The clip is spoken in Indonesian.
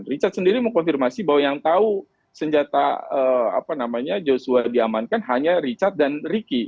richard sendiri mengkonfirmasi bahwa yang tahu senjata apa namanya joshua diamankan hanya richard dan ricky